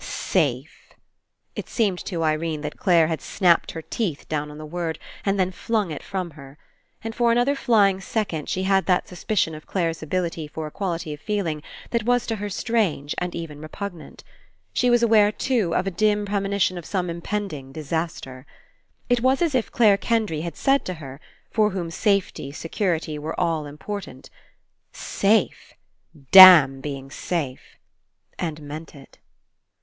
"Safe!" It seemed to Irene that Clare had snapped her teeth down on the word and then flung It from her. And for another flying sec ond she had that suspicion of Clare's ability for a quality of feeling that was to her strange, and even repugnant. She was aware, too, of a dim premonition of some impending disaster. It was as If Clare Kendry had said to her, for whom safety, security, were all important: "Safe! Damn being safe!" and meant it.